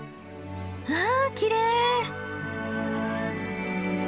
わあきれい！